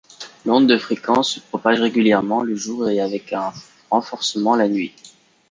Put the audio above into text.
L'onde de fréquence se propagent régulièrement le jour et avec un renforcement la nuit.